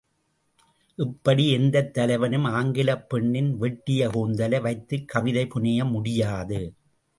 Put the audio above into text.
இப்படி எந்தத் தலைவனும் ஆங்கிலப் பெண்ணின் வெட்டிய கூந்தலை வைத்துக் கவிதை புனைய முடியாது.